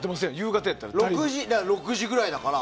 ６時くらいだから。